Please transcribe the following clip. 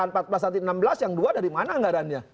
nanti enam belas yang dua dari mana anggarannya